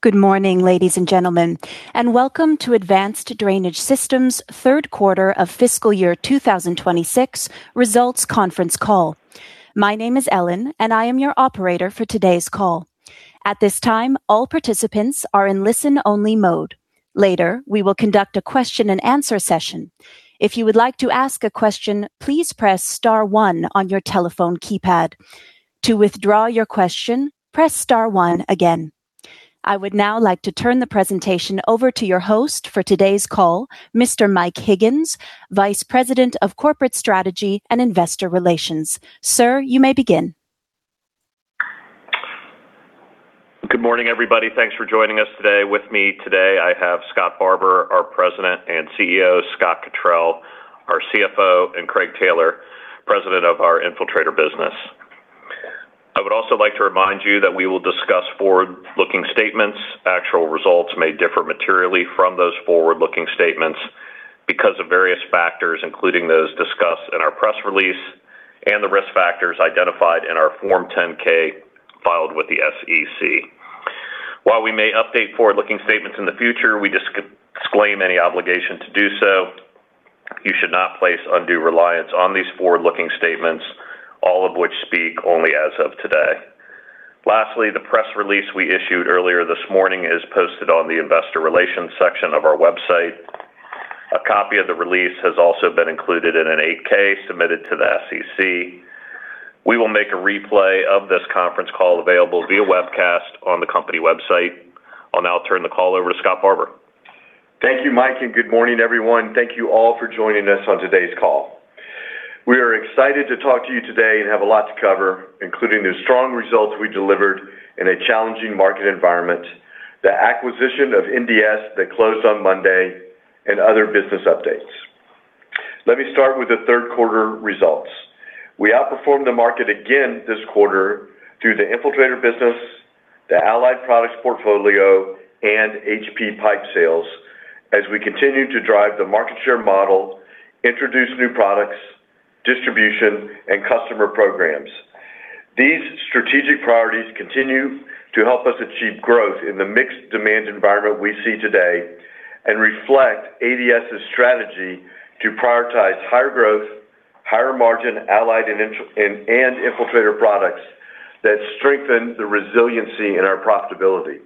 Good morning, ladies and gentlemen, and welcome to Advanced Drainage Systems third quarter of fiscal year 2026 results conference call. My name is Ellen, and I am your operator for today's call. At this time, all participants are in listen-only mode. Later, we will conduct a question-and-answer session. If you would like to ask a question, please press star one on your telephone keypad. To withdraw your question, press star one again. I would now like to turn the presentation over to your host for today's call, Mr. Mike Higgins, Vice President of Corporate Strategy and Investor Relations. Sir, you may begin. Good morning, everybody. Thanks for joining us today. With me today I have Scott Barbour, our President and CEO, Scott Cottrill, our CFO, and Craig Taylor, President of our Infiltrator business. I would also like to remind you that we will discuss forward-looking statements. Actual results may differ materially from those forward-looking statements because of various factors, including those discussed in our press release and the risk factors identified in our Form 10-K filed with the SEC. While we may update forward-looking statements in the future, we disclaim any obligation to do so. You should not place undue reliance on these forward-looking statements, all of which speak only as of today. Lastly, the press release we issued earlier this morning is posted on the Investor Relations section of our website. A copy of the release has also been included in an 8-K submitted to the SEC. We will make a replay of this conference call available via webcast on the company website. I'll now turn the call over to Scott Barbour. Thank you, Mike, and good morning, everyone. Thank you all for joining us on today's call. We are excited to talk to you today and have a lot to cover, including the strong results we delivered in a challenging market environment, the acquisition of NDS that closed on Monday, and other business updates. Let me start with the third quarter results. We outperformed the market again this quarter through the Infiltrator business, the Allied Products portfolio, and HP Pipe sales, as we continue to drive the market share model, introduce new products, distribution, and customer programs. These strategic priorities continue to help us achieve growth in the mixed demand environment we see today and reflect ADS's strategy to prioritize higher growth, higher margin Allied and Infiltrator products that strengthen the resiliency and our profitability.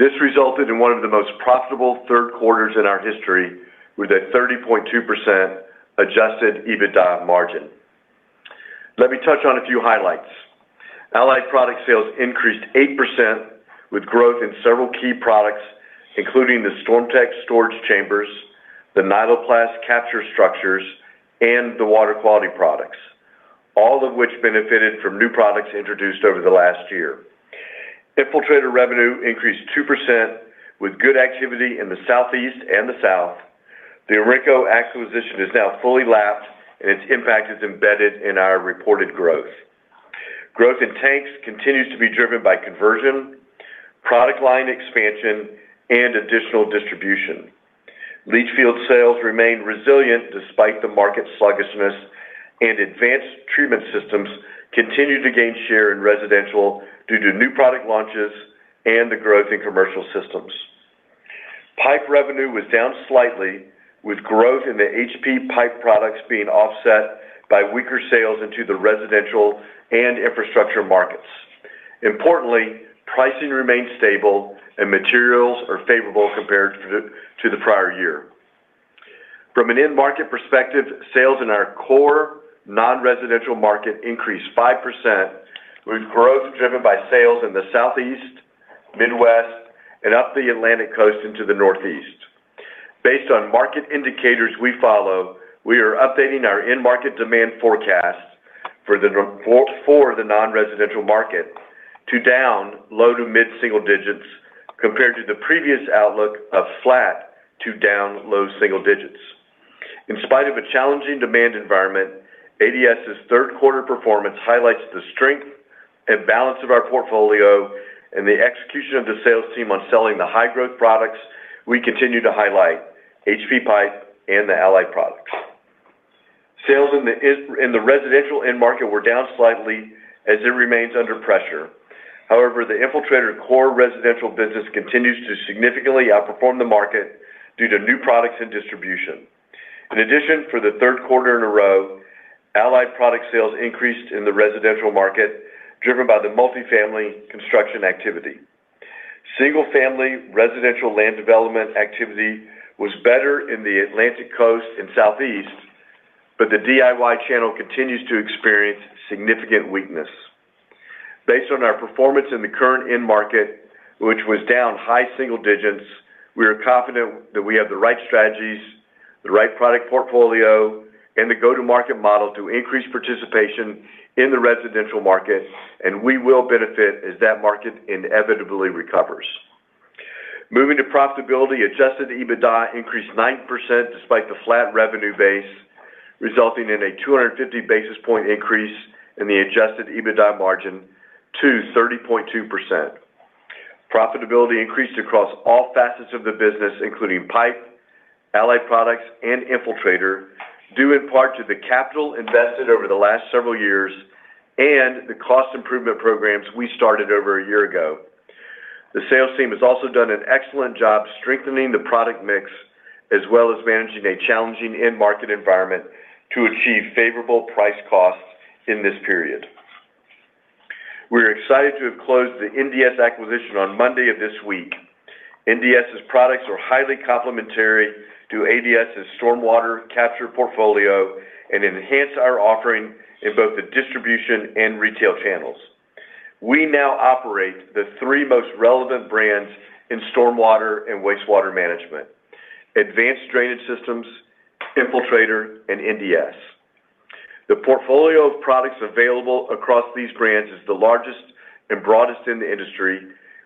This resulted in one of the most profitable third quarters in our history with a 30.2% Adjusted EBITDA margin. Let me touch on a few highlights. Allied Products sales increased 8% with growth in several key products, including the StormTech storage chambers, the Nyloplast capture structures, and the water quality products, all of which benefited from new products introduced over the last year. Infiltrator revenue increased 2% with good activity in the Southeast and the South. The Orenco acquisition is now fully lapped, and its impact is embedded in our reported growth. Growth in tanks continues to be driven by conversion, product line expansion, and additional distribution. Leachfield sales remain resilient despite the market sluggishness, and advanced treatment systems continue to gain share in residential due to new product launches and the growth in commercial systems. Pipe revenue was down slightly, with growth in the HP Pipe products being offset by weaker sales into the residential and infrastructure markets. Importantly, pricing remained stable, and materials are favorable compared to the prior year. From an in-market perspective, sales in our core non-residential market increased 5% with growth driven by sales in the Southeast, Midwest, and up the Atlantic Coast into the Northeast. Based on market indicators we follow, we are updating our in-market demand forecast for the non-residential market to down low to mid-single digits compared to the previous outlook of flat to down low single digits. In spite of a challenging demand environment, ADS's third quarter performance highlights the strength and balance of our portfolio and the execution of the sales team on selling the high-growth products we continue to highlight: HP Pipe and the Allied Products. Sales in the residential in-market were down slightly, as it remains under pressure. However, the Infiltrator core residential business continues to significantly outperform the market due to new products and distribution. In addition, for the third quarter in a row, Allied Products sales increased in the residential market, driven by the multifamily construction activity. Single-family residential land development activity was better in the Atlantic Coast and Southeast, but the DIY channel continues to experience significant weakness. Based on our performance in the current in-market, which was down high single digits, we are confident that we have the right strategies, the right product portfolio, and the go-to-market model to increase participation in the residential market, and we will benefit as that market inevitably recovers. Moving to profitability, Adjusted EBITDA increased 9% despite the flat revenue base, resulting in a 250 basis points increase in the Adjusted EBITDA margin to 30.2%. Profitability increased across all facets of the business, including Pipe, Allied Products, and Infiltrator, due in part to the capital invested over the last several years and the cost improvement programs we started over a year ago. The sales team has also done an excellent job strengthening the product mix as well as managing a challenging in-market environment to achieve favorable price costs in this period. We are excited to have closed the NDS acquisition on Monday of this week. NDS's products are highly complementary to ADS's stormwater capture portfolio and enhance our offering in both the distribution and retail channels. We now operate the three most relevant brands in stormwater and wastewater management: Advanced Drainage Systems, Infiltrator, and NDS. The portfolio of products available across these brands is the largest and broadest in the industry,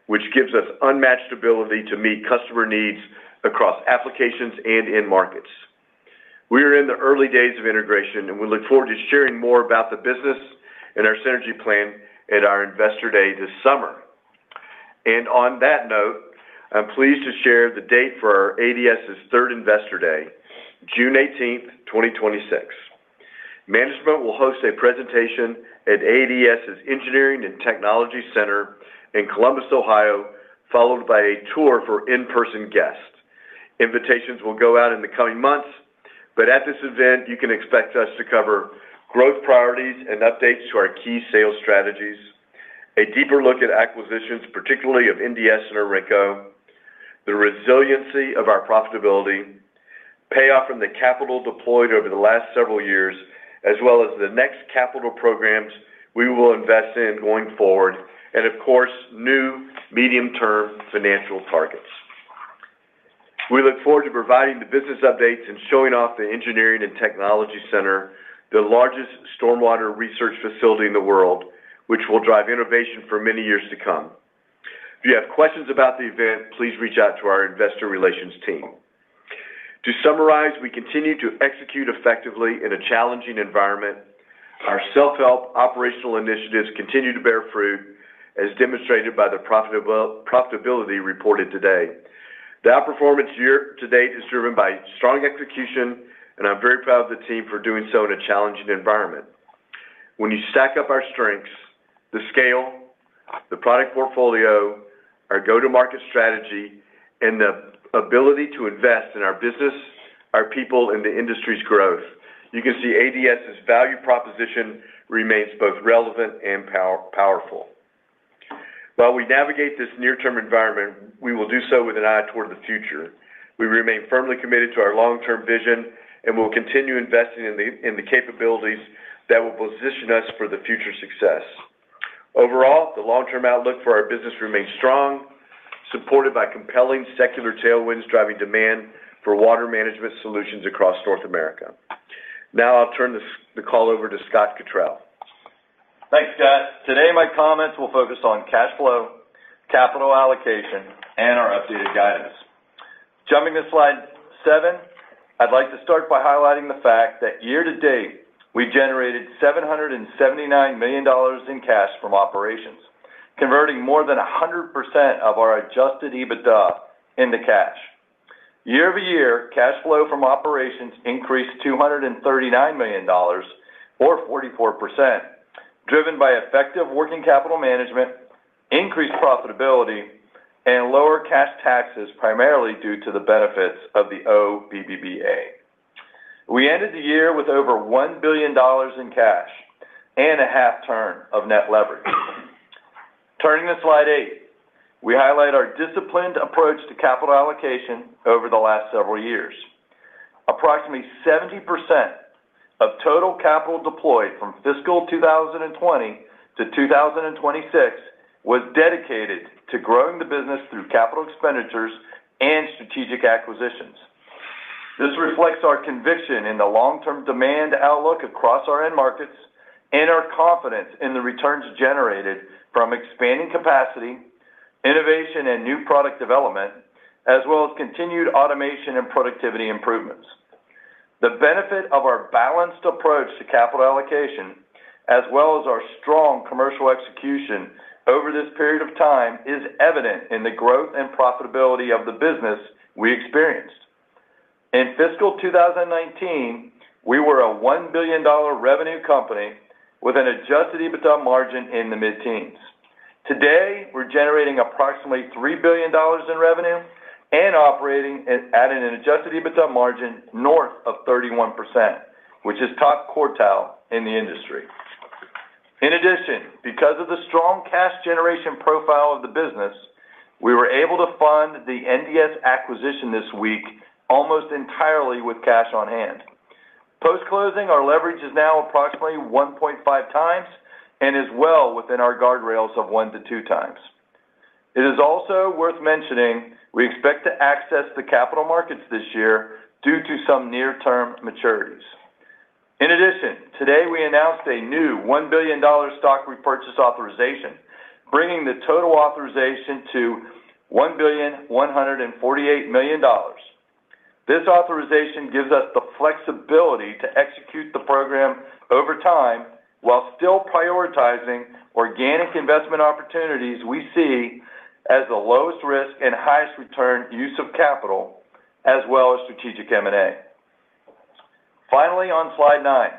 which gives us unmatched ability to meet customer needs across applications and in-markets. We are in the early days of integration, and we look forward to sharing more about the business and our synergy plan at our Investor Day this summer. On that note, I'm pleased to share the date for ADS's Third Investor Day: June 18th, 2026. Management will host a presentation at ADS's Engineering and Technology Center in Columbus, Ohio, followed by a tour for in-person guests. Invitations will go out in the coming months, but at this event, you can expect us to cover growth priorities and updates to our key sales strategies, a deeper look at acquisitions, particularly of NDS and Orenco, the resiliency of our profitability, payoff from the capital deployed over the last several years, as well as the next capital programs we will invest in going forward, and of course, new medium-term financial targets. We look forward to providing the business updates and showing off the Engineering and Technology Center, the largest stormwater research facility in the world, which will drive innovation for many years to come. If you have questions about the event, please reach out to our Investor Relations team. To summarize, we continue to execute effectively in a challenging environment. Our self-help operational initiatives continue to bear fruit, as demonstrated by the profitability reported today. The outperformance to date is driven by strong execution, and I'm very proud of the team for doing so in a challenging environment. When you stack up our strengths: the scale, the product portfolio, our go-to-market strategy, and the ability to invest in our business, our people, and the industry's growth, you can see ADS's value proposition remains both relevant and powerful. While we navigate this near-term environment, we will do so with an eye toward the future. We remain firmly committed to our long-term vision, and we'll continue investing in the capabilities that will position us for the future success. Overall, the long-term outlook for our business remains strong, supported by compelling secular tailwinds driving demand for water management solutions across North America. Now I'll turn the call over to Scott Cottrill. Thanks, Scott. Today, my comments will focus on cash flow, capital allocation, and our updated guidance. Jumping to slide seven, I'd like to start by highlighting the fact that year-to-date, we generated $779 million in cash from operations, converting more than 100% of our Adjusted EBITDA into cash. Year-over-year, cash flow from operations increased $239 million, or 44%, driven by effective working capital management, increased profitability, and lower cash taxes, primarily due to the benefits of bonus depreciation. We ended the year with over $1 billion in cash and a half-turn of net leverage. Turning to slide eight. We highlight our disciplined approach to capital allocation over the last several years. Approximately 70% of total capital deployed from fiscal 2020-2026 was dedicated to growing the business through capital expenditures and strategic acquisitions. This reflects our conviction in the long-term demand outlook across our in-markets and our confidence in the returns generated from expanding capacity, innovation, and new product development, as well as continued automation and productivity improvements. The benefit of our balanced approach to capital allocation, as well as our strong commercial execution over this period of time, is evident in the growth and profitability of the business we experienced. In fiscal 2019, we were a $1 billion revenue company with an Adjusted EBITDA margin in the mid-teens. Today, we're generating approximately $3 billion in revenue and operating at an Adjusted EBITDA margin north of 31%, which is top quartile in the industry. In addition, because of the strong cash generation profile of the business, we were able to fund the NDS acquisition this week almost entirely with cash on hand. Post-closing, our leverage is now approximately 1.5x and is well within our guardrails of 1x-2x. It is also worth mentioning we expect to access the capital markets this year due to some near-term maturities. In addition, today we announced a new $1 billion stock repurchase authorization, bringing the total authorization to $1.148 billion. This authorization gives us the flexibility to execute the program over time while still prioritizing organic investment opportunities we see as the lowest risk and highest return use of capital, as well as strategic M&A. Finally, on slide nine,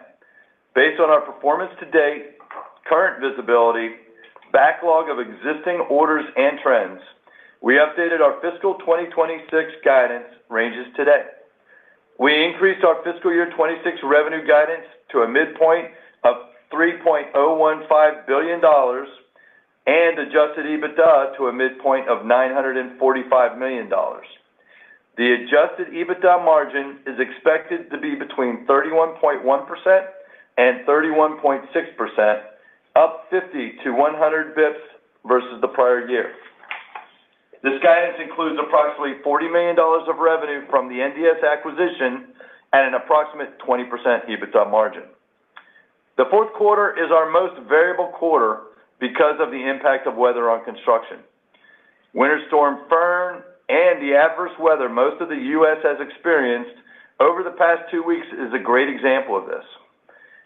based on our performance to date, current visibility, backlog of existing orders and trends, we updated our fiscal 2026 guidance ranges today. We increased our fiscal year 2026 revenue guidance to a midpoint of $3.015 billion and Adjusted EBITDA to a midpoint of $945 million. The Adjusted EBITDA margin is expected to be between 31.1% and 31.6%, up 50-100 basis points versus the prior year. This guidance includes approximately $40 million of revenue from the NDS acquisition and an approximate 20% EBITDA margin. The fourth quarter is our most variable quarter because of the impact of weather on construction. Winter Storm Fern and the adverse weather most of the U.S. has experienced over the past two weeks is a great example of this.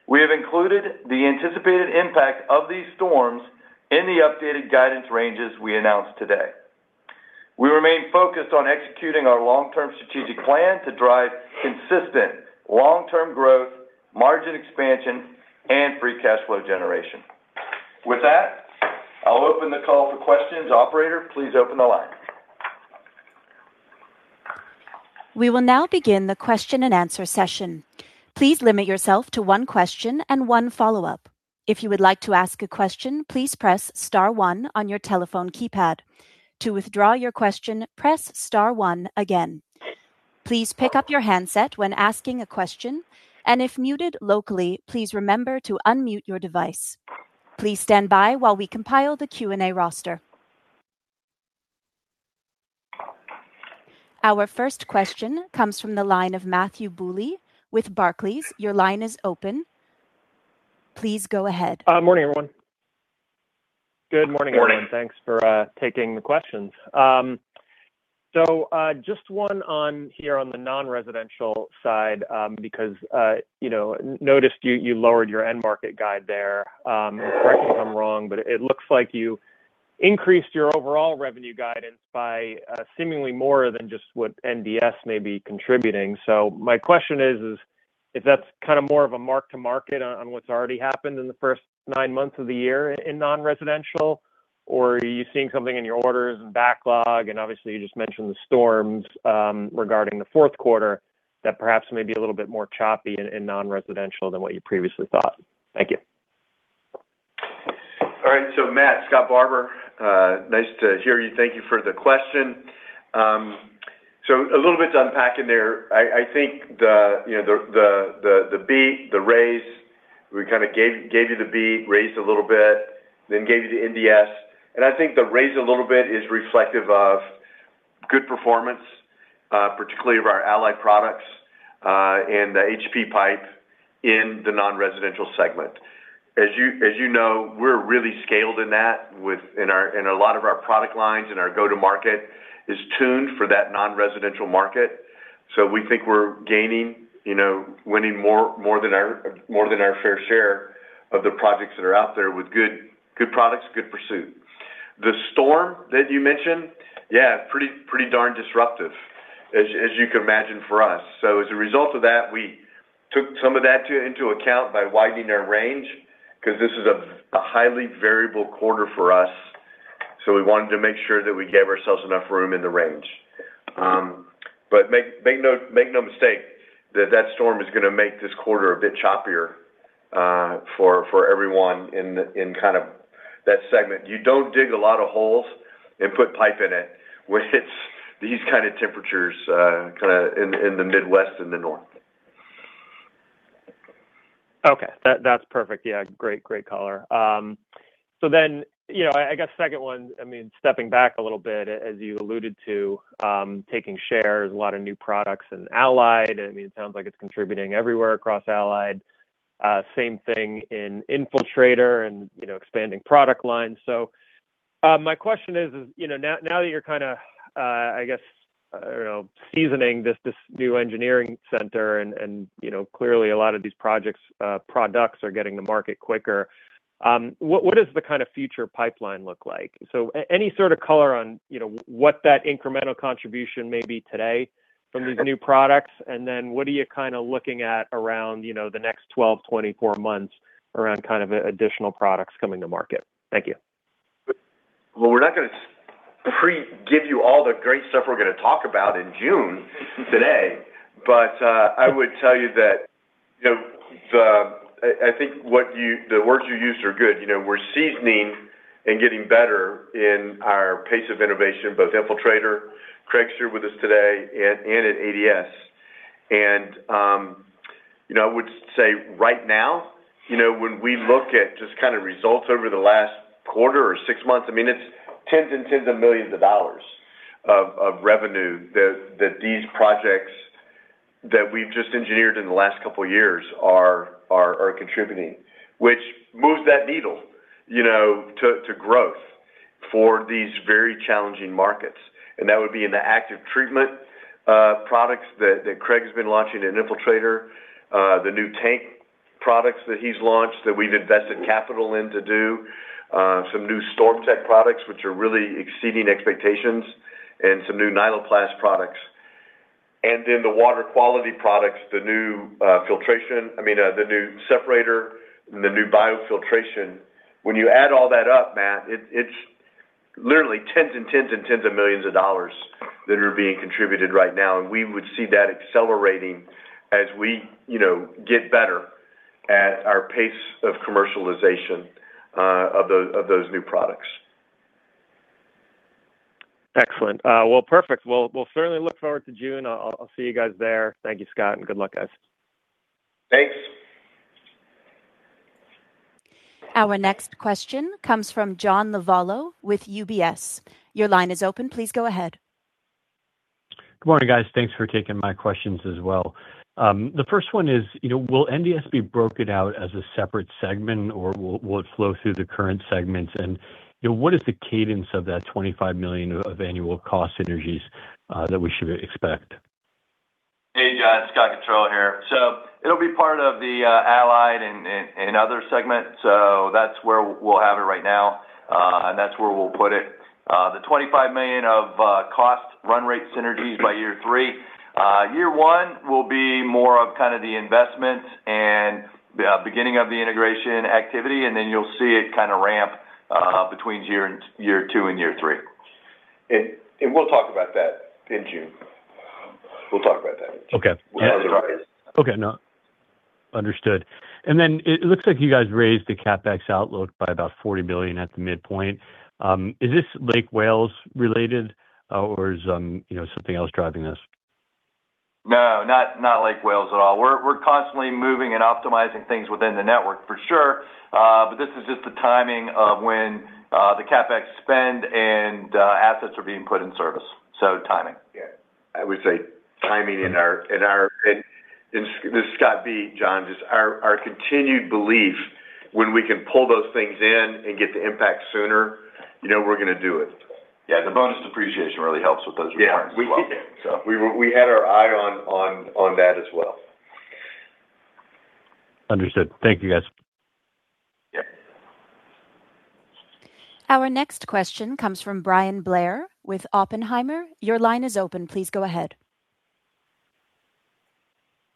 We have included the anticipated impact of these storms in the updated guidance ranges we announced today. We remain focused on executing our long-term strategic plan to drive consistent long-term growth, margin expansion, and free cash flow generation. With that, I'll open the call for questions. Operator, please open the line. We will now begin the question-and-answer session. Please limit yourself to one question and one follow-up. If you would like to ask a question, please press star one on your telephone keypad. To withdraw your question, press star one again. Please pick up your handset when asking a question, and if muted locally, please remember to unmute your device. Please stand by while we compile the Q&A roster. Our first question comes from the line of Matthew Bouley with Barclays. Your line is open. Please go ahead. Morning, everyone. Thanks for taking the questions. So just one here on the non-residential side because noticed you lowered your end market guide there. Correct me if I'm wrong, but it looks like you increased your overall revenue guidance by seemingly more than just what NDS may be contributing. So my question is if that's kind of more of a mark-to-market on what's already happened in the first nine months of the year in non-residential, or are you seeing something in your orders and backlog? And obviously, you just mentioned the storms regarding the fourth quarter that perhaps may be a little bit more choppy in non-residential than what you previously thought. Thank you. All right. So Matt, Scott Barbour, nice to hear you. Thank you for the question. So a little bit to unpack in there. I think the beat, the raise, we kind of gave you the beat, raised a little bit, then gave you the NDS. And I think the raise a little bit is reflective of good performance, particularly of our Allied Products and the HP Pipe in the non-residential segment. As you know, we're really scaled in that, and a lot of our product lines and our go-to-market is tuned for that non-residential market. So we think we're winning more than our fair share of the projects that are out there with good products, good pursuit. The storm that you mentioned, yeah, pretty darn disruptive, as you can imagine, for us. So as a result of that, we took some of that into account by widening our range because this is a highly variable quarter for us. So we wanted to make sure that we gave ourselves enough room in the range. But make no mistake that that storm is going to make this quarter a bit choppier for everyone in kind of that segment. You don't dig a lot of holes and put pipe in it with these kind of temperatures kind of in the Midwest and the North. Okay. That's perfect. Yeah. Great, great color. So then I guess second one, I mean, stepping back a little bit, as you alluded to, taking shares, a lot of new products in Allied. I mean, it sounds like it's contributing everywhere across Allied. Same thing in Infiltrator and expanding product lines. So my question is, now that you're kind of, I guess, seasoning this new engineering center, and clearly, a lot of these products are getting to market quicker, what does the kind of future pipeline look like? So any sort of color on what that incremental contribution may be today from these new products, and then what are you kind of looking at around the next 12, 24 months around kind of additional products coming to market? Thank you. Well, we're not going to pre-give you all the great stuff we're going to talk about in June today, but I would tell you that I think the words you used are good. We're seasoning and getting better in our pace of innovation, both Infiltrator, Craig's here with us today, and at ADS. And I would say right now, when we look at just kind of results over the last quarter or six months, I mean, it's tens and tens of millions of dollars of revenue that these projects that we've just engineered in the last couple of years are contributing, which moves that needle to growth for these very challenging markets. That would be in the active treatment products that Craig has been launching in Infiltrator, the new tank products that he's launched that we've invested capital in to do, some new StormTech products, which are really exceeding expectations, and some new Nyloplast products. And then the water quality products, the new filtration I mean, the new separator and the new biofiltration. When you add all that up, Matt, it's literally tens and tens and tens of millions of dollars that are being contributed right now. And we would see that accelerating as we get better at our pace of commercialization of those new products. Excellent. Well, perfect. We'll certainly look forward to June. I'll see you guys there. Thank you, Scott, and good luck, guys. Thanks. Our next question comes from John Lovallo with UBS. Your line is open. Please go ahead. Good morning, guys. Thanks for taking my questions as well. The first one is, will NDS be broken out as a separate segment, or will it flow through the current segments? And what is the cadence of that $25 million of annual cost synergies that we should expect? Hey, John. Scott Cottrill here. So it'll be part of the Allied and Other segments. So that's where we'll have it right now, and that's where we'll put it. The $25 million of cost run rate synergies by year three. Year one will be more of kind of the investment and beginning of the integration activity, and then you'll see it kind of ramp between year two and year three. And we'll talk about that in June. We'll talk about that in June. Okay. Otherwise. Okay. Understood. Then it looks like you guys raised the CapEx outlook by about $40 million at the midpoint. Is this Lake Wales-related, or is something else driving this? No, not Lake Wales at all. We're constantly moving and optimizing things within the network, for sure, but this is just the timing of when the CapEx spend and assets are being put in service. So timing. Yeah. I would say timing, and this is Scott Barbour, John. Just our continued belief, when we can pull those things in and get the impact sooner, we're going to do it. Yeah. The bonus depreciation really helps with those returns as well, so. Yeah. We had our eye on that as well. Understood. Thank you, guys. Yep. Our next question comes from Bryan Blair with Oppenheimer. Your line is open. Please go ahead.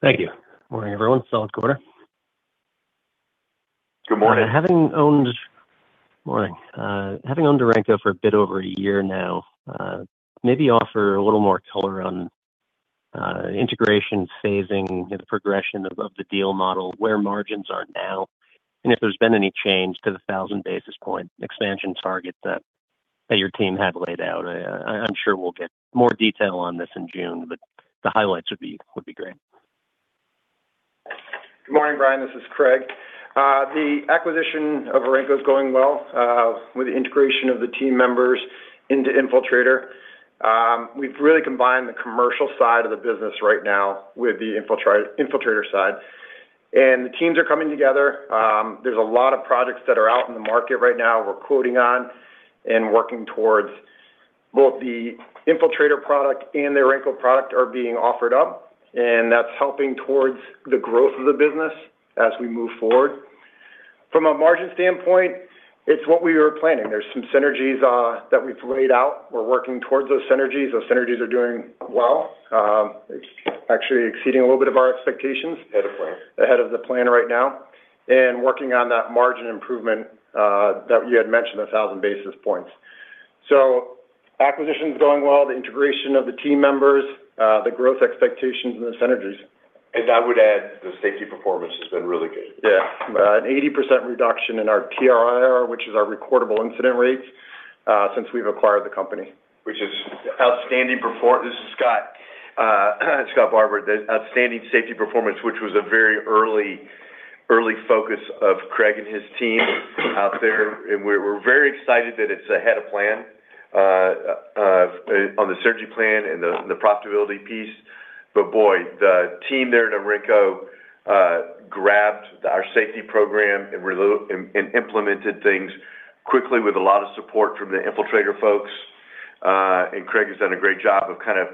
Thank you. Morning, everyone. Solid quarter. Good morning. Good morning. Having owned Orenco for a bit over a year now, maybe offer a little more color on integration, phasing, the progression of the deal model, where margins are now, and if there's been any change to the 1,000-basis point expansion target that your team had laid out. I'm sure we'll get more detail on this in June, but the highlights would be great. Good morning, Brian. This is Craig. The acquisition of Orenco is going well with the integration of the team members into Infiltrator. We've really combined the commercial side of the business right now with the Infiltrator side, and the teams are coming together. There's a lot of projects that are out in the market right now we're quoting on and working towards. Both the Infiltrator product and the Orenco product are being offered up, and that's helping towards the growth of the business as we move forward. From a margin standpoint, it's what we were planning. There's some synergies that we've laid out. We're working towards those synergies. Those synergies are doing well, actually exceeding a little bit of our expectations. Ahead of plan? Ahead of the plan right now and working on that margin improvement that you had mentioned, the 1,000 basis points. So acquisition's going well, the integration of the team members, the growth expectations, and the synergies. I would add the safety performance has been really good. Yeah. An 80% reduction in our TRIR, which is our recordable incident rates, since we've acquired the company. Which is outstanding. This is Scott Barbour. Outstanding safety performance, which was a very early focus of Craig and his team out there. We're very excited that it's ahead of plan on the synergy plan and the profitability piece. But boy, the team there at Orenco grabbed our safety program and implemented things quickly with a lot of support from the Infiltrator folks. Craig has done a great job of kind of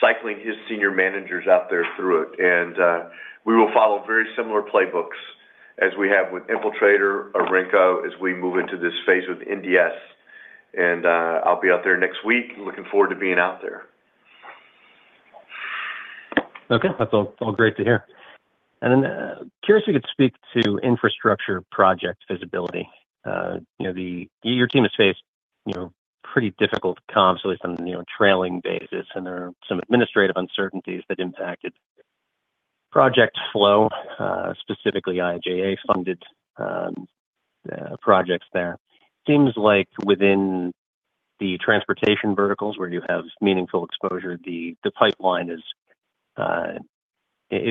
cycling his senior managers out there through it. We will follow very similar playbooks as we have with Infiltrator, Orenco, as we move into this phase with NDS. I'll be out there next week, looking forward to being out there. Okay. That's all great to hear. And then curious if you could speak to infrastructure project visibility. Your team has faced pretty difficult comps, at least on a trailing basis, and there are some administrative uncertainties that impacted project flow, specifically IIJA-funded projects there. Seems like within the transportation verticals, where you have meaningful exposure, the pipeline is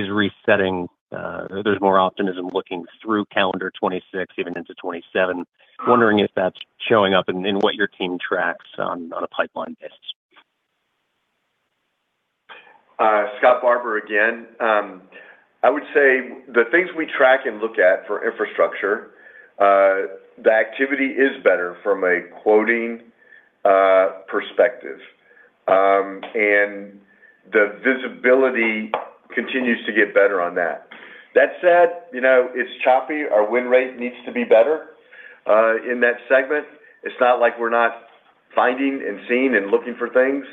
resetting. There's more optimism looking through calendar 2026, even into 2027. Wondering if that's showing up in what your team tracks on a pipeline basis. Scott Barbour again. I would say the things we track and look at for infrastructure, the activity is better from a quoting perspective, and the visibility continues to get better on that. That said, it's choppy. Our win rate needs to be better in that segment. It's not like we're not finding and seeing and looking for things.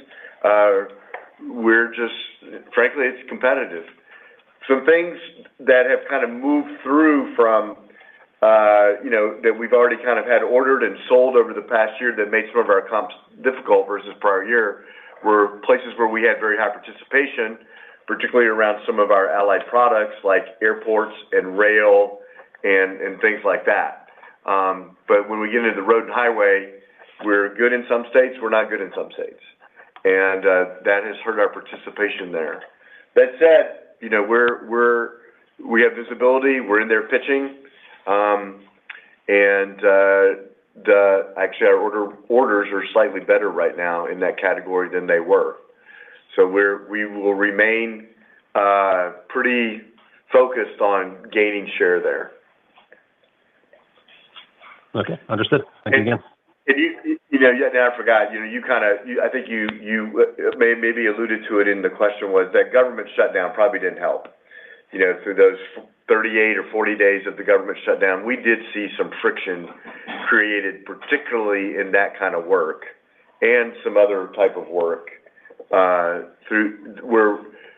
Frankly, it's competitive. Some things that have kind of moved through from that we've already kind of had ordered and sold over the past year that made some of our comps difficult versus prior year were places where we had very high participation, particularly around some of our Allied Products like airports and rail and things like that. But when we get into the road and highway, we're good in some states. We're not good in some states, and that has hurt our participation there. That said, we have visibility. We're in there pitching. And actually, our orders are slightly better right now in that category than they were. So we will remain pretty focused on gaining share there. Okay. Understood. Thank you again. And yet now I forgot. You kind of I think you maybe alluded to it in the question was that government shutdown probably didn't help. Through those 38 or 40 days of the government shutdown, we did see some friction created, particularly in that kind of work and some other type of work where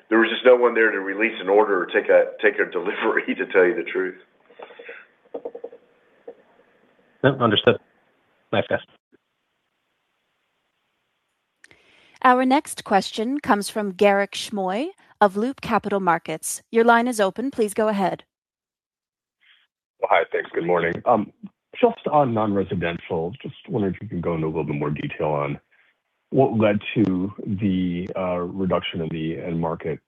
there was just no one there to release an order or take a delivery, to tell you the truth. Understood. Next guest. Our next question comes from Garik Shmois of Loop Capital Markets. Your line is open. Please go ahead. Well, hi. Thanks. Good morning. Just on non-residential, just wondering if you can go into a little bit more detail on what led to the reduction in the market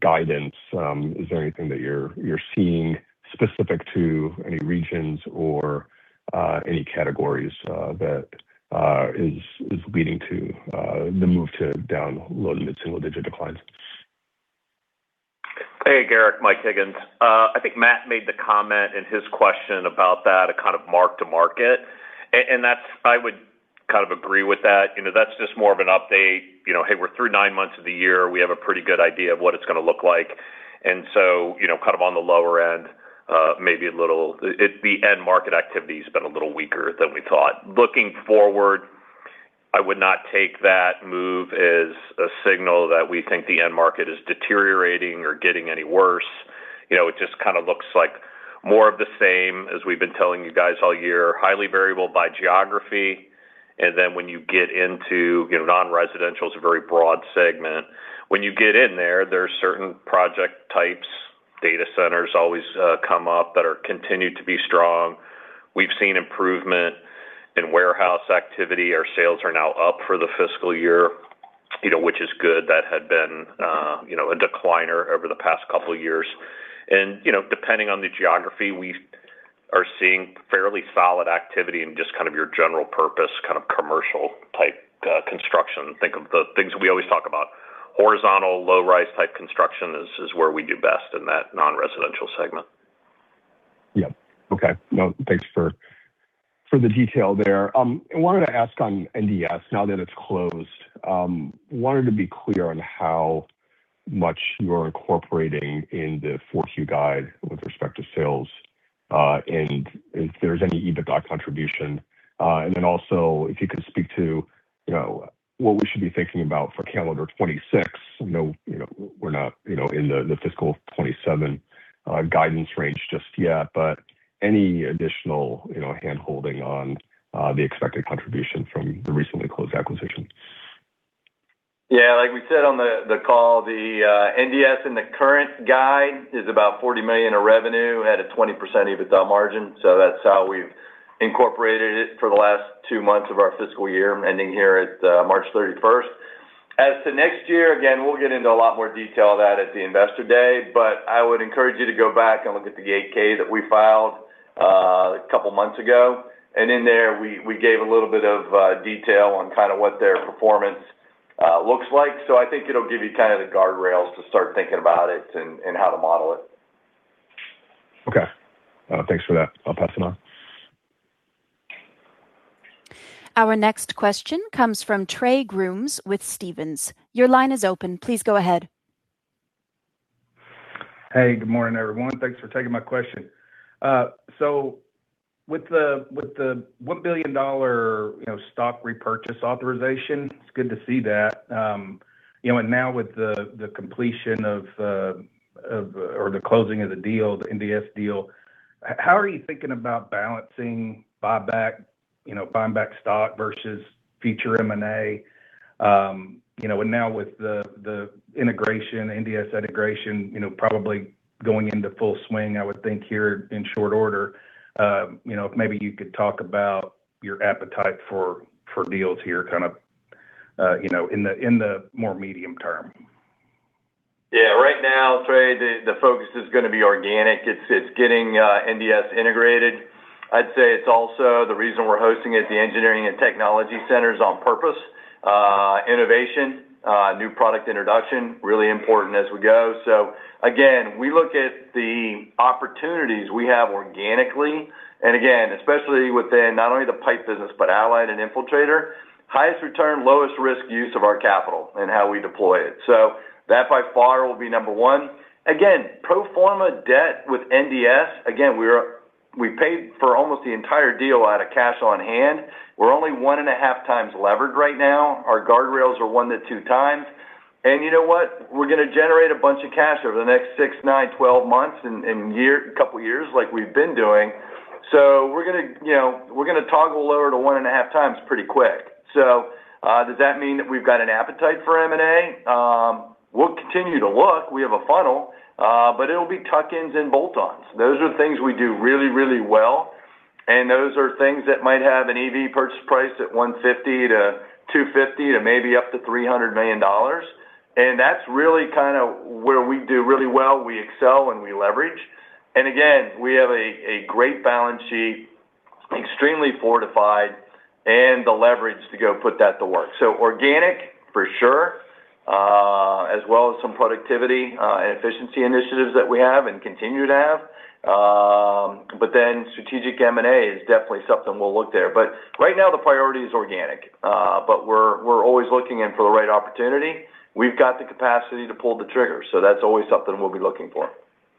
guidance. Is there anything that you're seeing specific to any regions or any categories that is leading to the move to downgrade mid-single-digit declines? Hey, Garik. Mike Higgins. I think Matt made the comment in his question about that, a kind of mark-to-market. And I would kind of agree with that. That's just more of an update. Hey, we're through nine months of the year. We have a pretty good idea of what it's going to look like. And so kind of on the lower end, maybe a little the end market activity has been a little weaker than we thought. Looking forward, I would not take that move as a signal that we think the end market is deteriorating or getting any worse. It just kind of looks like more of the same as we've been telling you guys all year, highly variable by geography. And then when you get into Non-residential, it's a very broad segment. When you get in there, there's certain project types; data centers always come up that continue to be strong. We've seen improvement in warehouse activity. Our sales are now up for the fiscal year, which is good. That had been a decliner over the past couple of years. Depending on the geography, we are seeing fairly solid activity in just kind of your general purpose, kind of commercial-type construction. Think of the things we always talk about. Horizontal, low-rise-type construction is where we do best in that Non-residential segment. Yep. Okay. No, thanks for the detail there. I wanted to ask on NDS, now that it's closed, wanted to be clear on how much you're incorporating in the 4Q guide with respect to sales and if there's any EBITDA contribution. And then also, if you could speak to what we should be thinking about for calendar 2026. We're not in the fiscal 2027 guidance range just yet, but any additional handholding on the expected contribution from the recently closed acquisition? Yeah. Like we said on the call, the NDS in the current guide is about $40 million of revenue, had a 20% EBITDA margin. So that's how we've incorporated it for the last two months of our fiscal year, ending here at March 31st. As to next year, again, we'll get into a lot more detail of that at the Investor Day, but I would encourage you to go back and look at the 8-K that we filed a couple of months ago. And in there, we gave a little bit of detail on kind of what their performance looks like. So I think it'll give you kind of the guardrails to start thinking about it and how to model it. Okay. Thanks for that. I'll pass it on. Our next question comes from Trey Grooms with Stephens. Your line is open. Please go ahead. Hey. Good morning, everyone. Thanks for taking my question. So with the $1 billion stock repurchase authorization, it's good to see that. And now with the completion of or the closing of the deal, the NDS deal, how are you thinking about balancing buyback stock versus future M&A? And now with the integration, NDS integration probably going into full swing, I would think here in short order, if maybe you could talk about your appetite for deals here kind of in the more medium term. Yeah. Right now, Trey, the focus is going to be organic. It's getting NDS integrated. I'd say it's also the reason we're hosting it, the engineering and technology centers, on purpose. Innovation, new product introduction, really important as we go. So again, we look at the opportunities we have organically. And again, especially within not only the Pipe business but Allied and Infiltrator, highest return, lowest risk use of our capital and how we deploy it. So that by far will be number one. Again, pro forma debt with NDS, again, we paid for almost the entire deal out of cash on hand. We're only 1.5x levered right now. Our guardrails are 1x-2x. And you know what? We're going to generate a bunch of cash over the next six, nine, 12 months and a couple of years like we've been doing. So we're going to toggle lower to 1.5x pretty quick. So does that mean that we've got an appetite for M&A? We'll continue to look. We have a funnel, but it'll be tuck-ins and bolt-ons. Those are things we do really, really well, and those are things that might have an EV purchase price at $150 million-$250 million, up to $300 million. And that's really kind of where we do really well. We excel, and we leverage. And again, we have a great balance sheet, extremely fortified, and the leverage to go put that to work. So organic, for sure, as well as some productivity and efficiency initiatives that we have and continue to have. But then strategic M&A is definitely something we'll look there. But right now, the priority is organic, but we're always looking in for the right opportunity. We've got the capacity to pull the trigger, so that's always something we'll be looking for.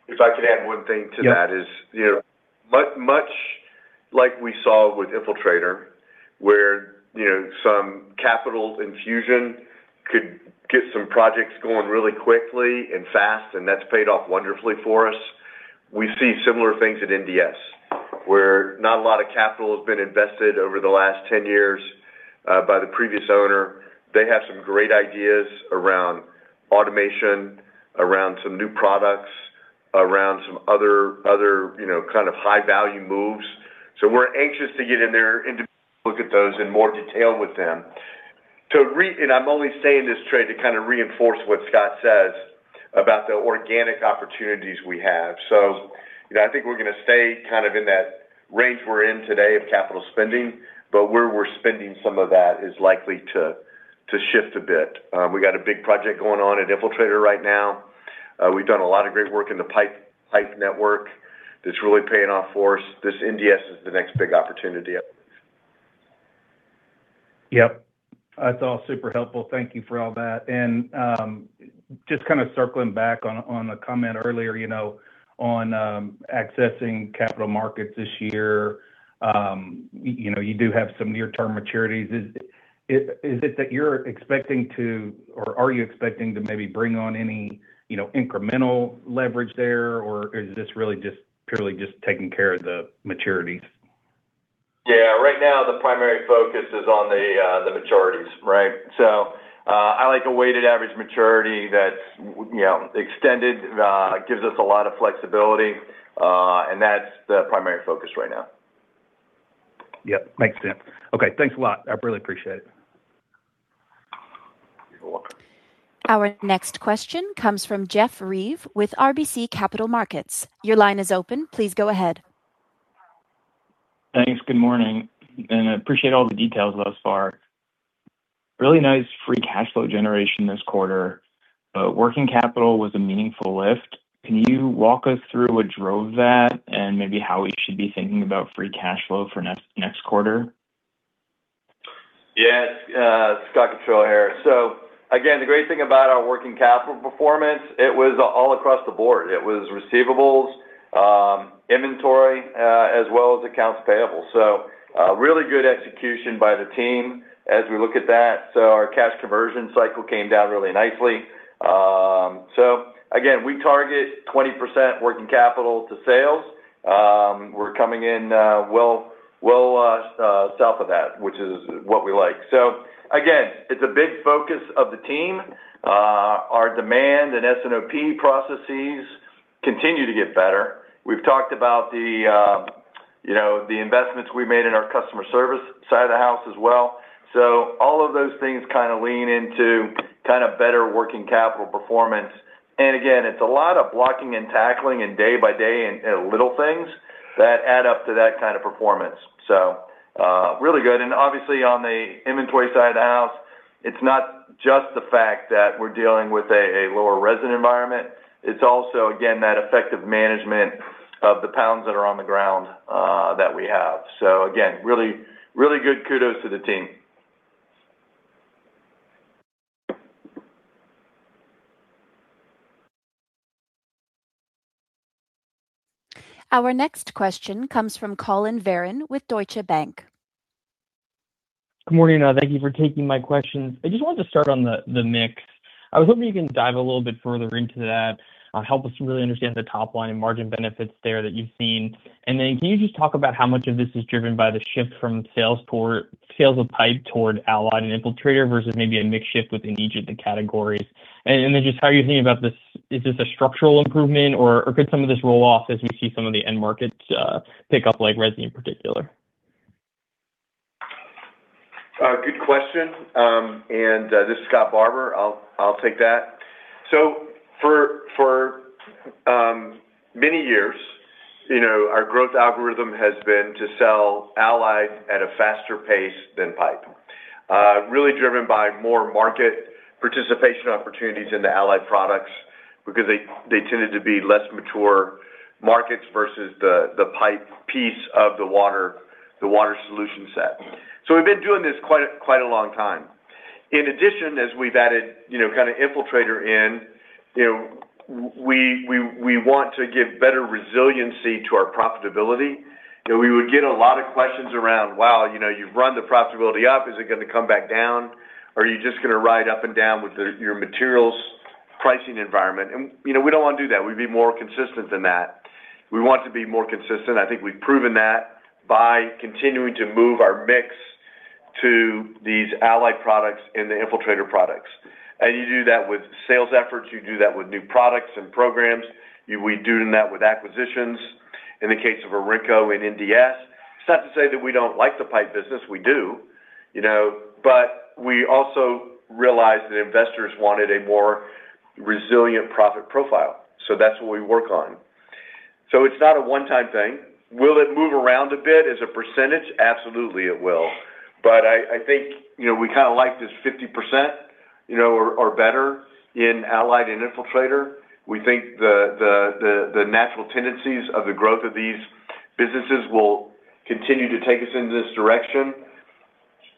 If I could add one thing to that is much like we saw with Infiltrator, where some capital infusion could get some projects going really quickly and fast, and that's paid off wonderfully for us, we see similar things at NDS, where not a lot of capital has been invested over the last 10 years by the previous owner. They have some great ideas around automation, around some new products, around some other kind of high-value moves. So we're anxious to get in there and look at those in more detail with them. And I'm only saying this, Trey, to kind of reinforce what Scott says about the organic opportunities we have. So I think we're going to stay kind of in that range we're in today of capital spending, but where we're spending some of that is likely to shift a bit. We got a big project going on at Infiltrator right now. We've done a lot of great work in the pipe network that's really paying off for us. This NDS is the next big opportunity, I believe. Yep. That's all super helpful. Thank you for all that. And just kind of circling back on the comment earlier on accessing capital markets this year, you do have some near-term maturities. Is it that you're expecting to or are you expecting to maybe bring on any incremental leverage there, or is this really just purely just taking care of the maturities? Yeah. Right now, the primary focus is on the maturities, right? So I like a weighted average maturity that's extended, gives us a lot of flexibility, and that's the primary focus right now. Yep. Makes sense. Okay. Thanks a lot. I really appreciate it. Our next question comes from Jeff Reive with RBC Capital Markets. Your line is open. Please go ahead. Thanks. Good morning. I appreciate all the details thus far. Really nice free cash flow generation this quarter, but working capital was a meaningful lift. Can you walk us through what drove that and maybe how we should be thinking about free cash flow for next quarter? Yeah. Scott Cottrill here. So again, the great thing about our working capital performance, it was all across the board. It was receivables, inventory, as well as accounts payable. So really good execution by the team as we look at that. So our cash conversion cycle came down really nicely. So again, we target 20% working capital to sales. We're coming in well south of that, which is what we like. So again, it's a big focus of the team. Our demand and S&OP processes continue to get better. We've talked about the investments we made in our customer service side of the house as well. So all of those things kind of lean into kind of better working capital performance. And again, it's a lot of blocking and tackling in day-by-day and little things that add up to that kind of performance. So really good. Obviously, on the inventory side of the house, it's not just the fact that we're dealing with a lower residential environment. It's also, again, that effective management of the pounds that are on the ground that we have. Again, really, really good kudos to the team. Our next question comes from Collin Verron with Deutsche Bank. Good morning. Thank you for taking my questions. I just wanted to start on the mix. I was hoping you can dive a little bit further into that, help us really understand the top line and margin benefits there that you've seen. And then can you just talk about how much of this is driven by the shift from sales of Pipe toward Allied and Infiltrator versus maybe a mixed shift within each of the categories? And then just how are you thinking about this? Is this a structural improvement, or could some of this roll off as we see some of the end markets pick up, like residential in particular? Good question. And this is Scott Barbour. I'll take that. So for many years, our growth algorithm has been to sell Allied at a faster pace than Pipe, really driven by more market participation opportunities in the Allied Products because they tended to be less mature markets versus the pipe piece of the water solution set. So we've been doing this quite a long time. In addition, as we've added kind of Infiltrator in, we want to give better resiliency to our profitability. We would get a lot of questions around, "Wow, you've run the profitability up. Is it going to come back down? Are you just going to ride up and down with your materials pricing environment?" And we don't want to do that. We'd be more consistent than that. We want to be more consistent. I think we've proven that by continuing to move our mix to these Allied Products and the Infiltrator products. You do that with sales efforts. You do that with new products and programs. We do that with acquisitions. In the case of Orenco and NDS, it's not to say that we don't like the Pipe business. We do. But we also realized that investors wanted a more resilient profit profile. So that's what we work on. So it's not a one-time thing. Will it move around a bit as a percentage? Absolutely, it will. But I think we kind of like this 50% or better in Allied and Infiltrator. We think the natural tendencies of the growth of these businesses will continue to take us in this direction.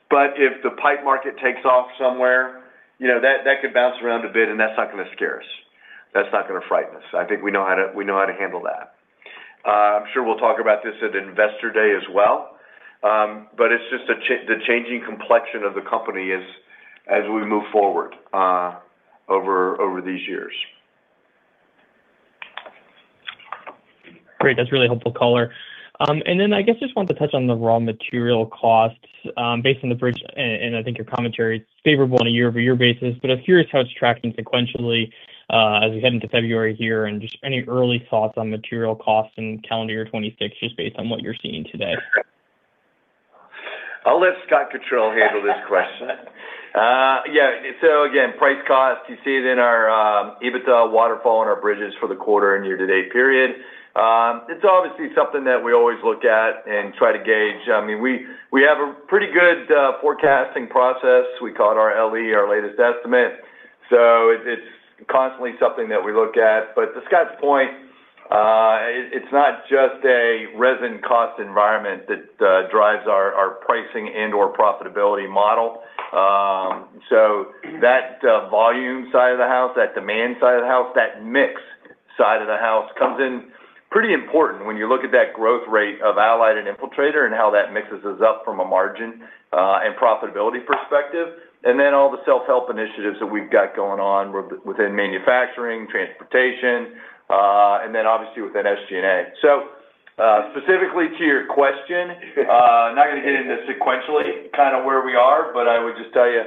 But if the pipe market takes off somewhere, that could bounce around a bit, and that's not going to scare us. That's not going to frighten us. I think we know how to handle that. I'm sure we'll talk about this at investor day as well, but it's just the changing complexion of the company as we move forward over these years. Great. That's really helpful color. I guess just wanted to touch on the raw material costs based on the bridge, and I think your commentary is favorable on a year-over-year basis. I'm curious how it's tracking sequentially as we head into February here and just any early thoughts on material costs in calendar year 2026 just based on what you're seeing today. I'll let Scott Cottrill handle this question. Yeah. So again, price cost, you see it in our EBITDA waterfall and our bridges for the quarter and year-to-date period. It's obviously something that we always look at and try to gauge. I mean, we have a pretty good forecasting process. We call it our LE, our latest estimate. So it's constantly something that we look at. But to Scott's point, it's not just a resin cost environment that drives our pricing and/or profitability model. So that volume side of the house, that demand side of the house, that mix side of the house comes in pretty important when you look at that growth rate of ADS and Infiltrator and how that mixes us up from a margin and profitability perspective. And then all the self-help initiatives that we've got going on within manufacturing, transportation, and then obviously within SG&A. Specifically to your question, I'm not going to get into sequentially kind of where we are, but I would just tell you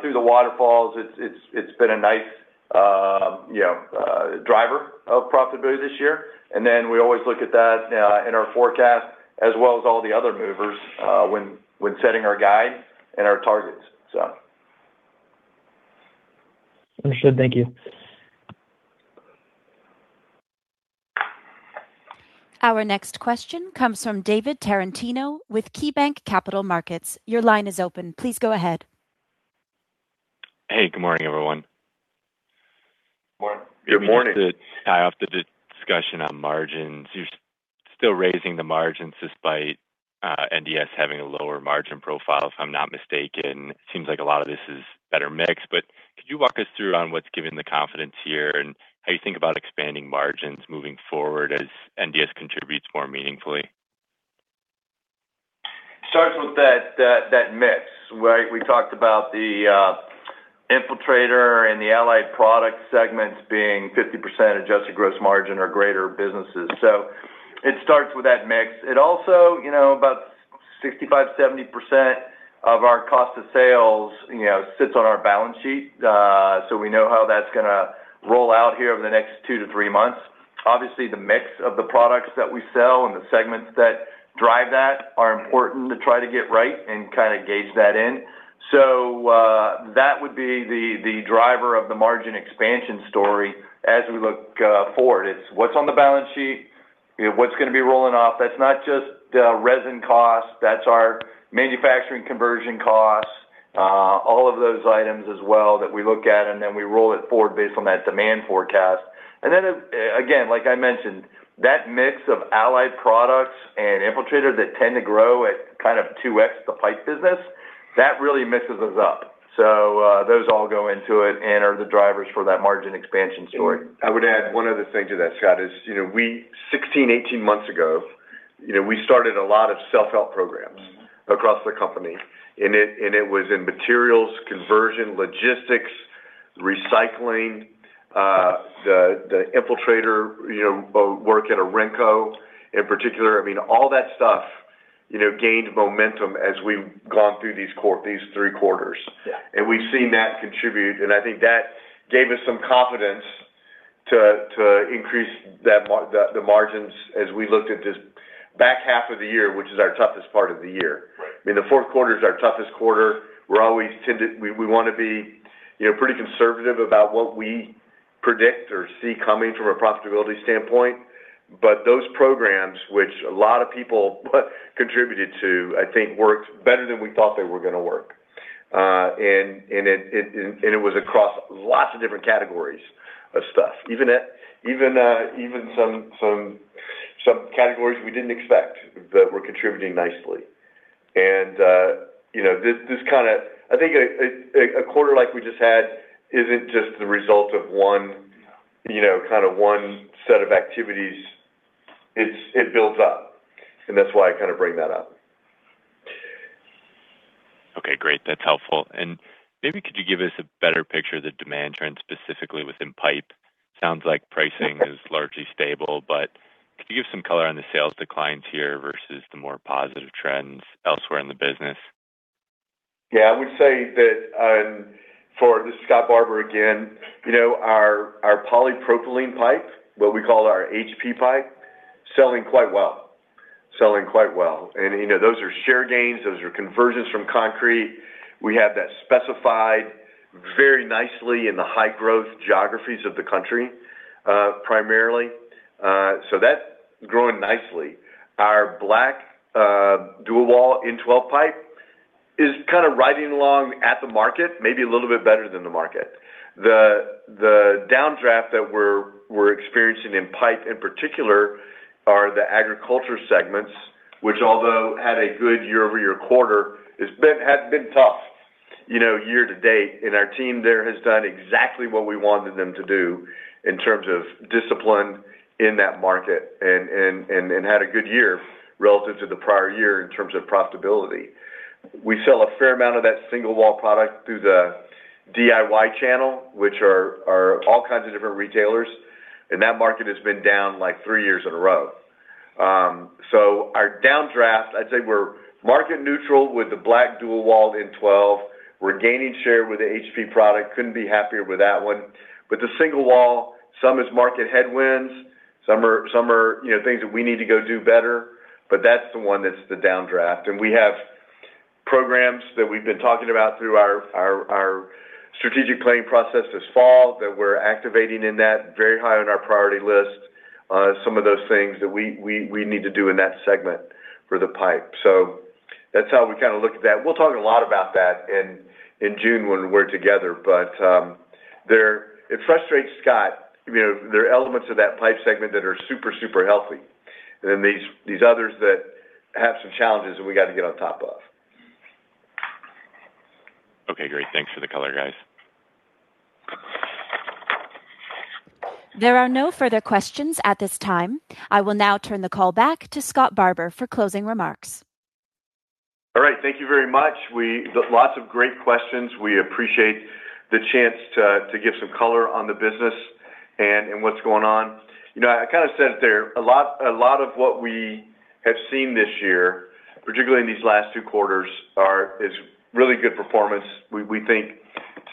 through the waterfalls, it's been a nice driver of profitability this year. Then we always look at that in our forecast as well as all the other movers when setting our guide and our targets, so. Understood. Thank you. Our next question comes from David Tarantino with KeyBanc Capital Markets. Your line is open. Please go ahead. Hey. Good morning, everyone. Good morning. Good morning. I offered a discussion on margins. You're still raising the margins despite NDS having a lower margin profile, if I'm not mistaken. It seems like a lot of this is better mix. But could you walk us through on what's given the confidence here and how you think about expanding margins moving forward as NDS contributes more meaningfully? Starts with that mix, right? We talked about the Infiltrator and the Allied Products segments being 50% adjusted gross margin or greater businesses. So it starts with that mix. About 65%-70% of our cost of sales sits on our balance sheet, so we know how that's going to roll out here over the next two to three months. Obviously, the mix of the products that we sell and the segments that drive that are important to try to get right and kind of gauge that in. So that would be the driver of the margin expansion story as we look forward. It's what's on the balance sheet, what's going to be rolling off. That's not just resin costs. That's our manufacturing conversion costs, all of those items as well that we look at, and then we roll it forward based on that demand forecast. And then again, like I mentioned, that mix of Allied Products and Infiltrator that tend to grow at kind of 2x the Pipe business, that really mixes us up. So those all go into it and are the drivers for that margin expansion story. I would add one other thing to that, Scott, is 16, 18 months ago, we started a lot of self-help programs across the company, and it was in materials, conversion, logistics, recycling, the Infiltrator work at Orenco in particular. I mean, all that stuff gained momentum as we've gone through these three quarters, and we've seen that contribute. And I think that gave us some confidence to increase the margins as we looked at this back half of the year, which is our toughest part of the year. I mean, the fourth quarter is our toughest quarter. We want to be pretty conservative about what we predict or see coming from a profitability standpoint. But those programs, which a lot of people contributed to, I think worked better than we thought they were going to work. It was across lots of different categories of stuff, even some categories we didn't expect that were contributing nicely. This kind of, I think, a quarter like we just had isn't just the result of kind of one set of activities. It builds up, and that's why I kind of bring that up. Okay. Great. That's helpful. And maybe could you give us a better picture of the demand trend specifically within pipe? Sounds like pricing is largely stable, but could you give some color on the sales declines here versus the more positive trends elsewhere in the business? Yeah. I would say that. This is Scott Barbour again. Our polypropylene pipe, what we call our HP Pipe, is selling quite well, selling quite well. And those are share gains. Those are conversions from concrete. We have that specified very nicely in the high-growth geographies of the country primarily. So that's growing nicely. Our black Dual Wall N-12 Pipe is kind of riding along at the market, maybe a little bit better than the market. The downdraft that we're experiencing in pipe in particular are the Agriculture segments, which although had a good year-over-year quarter, has been tough year-to-date. And our team there has done exactly what we wanted them to do in terms of discipline in that market and had a good year relative to the prior year in terms of profitability. We sell a fair amount of that single-wall product through the DIY channel, which are all kinds of different retailers. And that market has been down like three years in a row. So our downdraft, I'd say we're market neutral with the black Dual Wall N-12. We're gaining share with the HP product. Couldn't be happier with that one. With the single wall, some is market headwinds. Some are things that we need to go do better, but that's the one that's the downdraft. And we have programs that we've been talking about through our strategic planning process this fall that we're activating in that, very high on our priority list, some of those things that we need to do in that segment for the pipe. So that's how we kind of look at that. We'll talk a lot about that in June when we're together. But it frustrates Scott. There are elements of that Pipe segment that are super, super healthy, and then these others that have some challenges that we got to get on top of. Okay. Great. Thanks for the color, guys. There are no further questions at this time. I will now turn the call back to Scott Barbour for closing remarks. All right. Thank you very much. Lots of great questions. We appreciate the chance to give some color on the business and what's going on. I kind of said it there. A lot of what we have seen this year, particularly in these last two quarters, is really good performance, we think,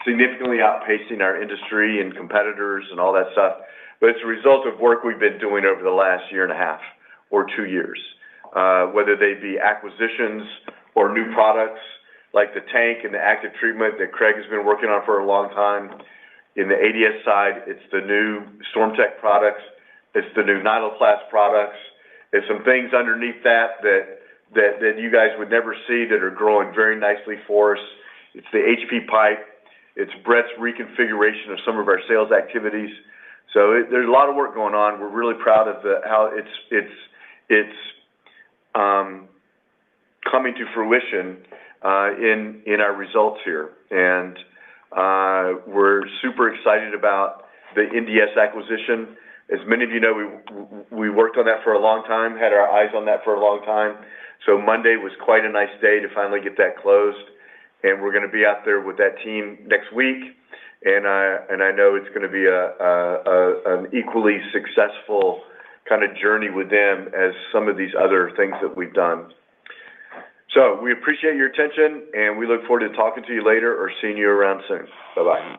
significantly outpacing our industry and competitors and all that stuff. But it's a result of work we've been doing over the last year and a half or two years, whether they be acquisitions or new products like the tank and the active treatment that Craig has been working on for a long time. In the ADS side, it's the new StormTech products. It's the new Nyloplast products. It's some things underneath that that you guys would never see that are growing very nicely for us. It's the HP Pipe. It's Brett's reconfiguration of some of our sales activities. There's a lot of work going on. We're really proud of how it's coming to fruition in our results here. We're super excited about the NDS acquisition. As many of you know, we worked on that for a long time, had our eyes on that for a long time. Monday was quite a nice day to finally get that closed. We're going to be out there with that team next week. I know it's going to be an equally successful kind of journey with them as some of these other things that we've done. We appreciate your attention, and we look forward to talking to you later or seeing you around soon. Bye-bye.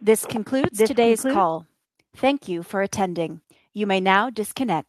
This concludes today's call. Thank you for attending. You may now disconnect.